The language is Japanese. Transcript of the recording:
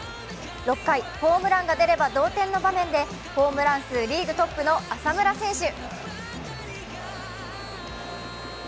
６回、ホームランが出れば同点の場面でホームラン数リーグトップの浅村選手。